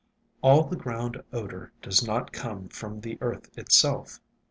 All the ground odor does not come from the earth itself.